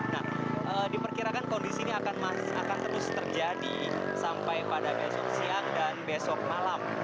nah diperkirakan kondisi ini akan terus terjadi sampai pada besok siang dan besok malam